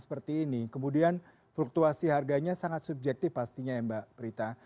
seperti ini kemudian fluktuasi harganya sangat subjektif pastinya ya mbak prita